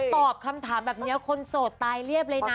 ตอบคำถามแบบนี้คนโสดตายเรียบเลยนะ